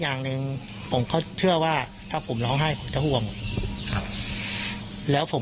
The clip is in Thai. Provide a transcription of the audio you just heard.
อย่างหนึ่งผมก็เชื่อว่าถ้าผมร้องไห้ผมจะห่วงครับแล้วผม